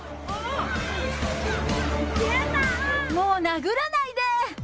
もう殴らないで。